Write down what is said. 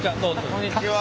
こんにちは。